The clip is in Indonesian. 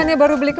nah biar gue baiki